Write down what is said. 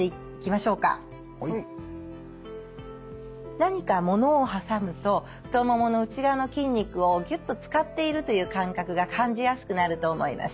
何かものを挟むと太ももの内側の筋肉をギュッと使っているという感覚が感じやすくなると思います。